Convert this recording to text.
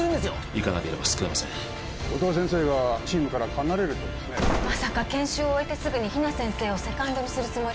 行かなければ救えません音羽先生がチームから離れるそうですねまさか研修を終えてすぐに比奈先生をセカンドにするつもり？